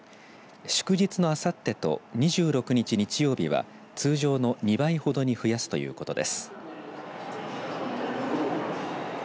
祝日のあさってと２６日、日曜日は通常の２倍ほどに増やすということです。